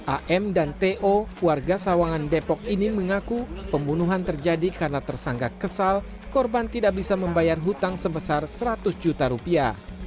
am dan to warga sawangan depok ini mengaku pembunuhan terjadi karena tersangka kesal korban tidak bisa membayar hutang sebesar seratus juta rupiah